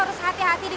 aku jatuhkan diriku